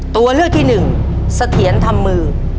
ตัวเลือกที่หนึ่งเสถียรทำมือ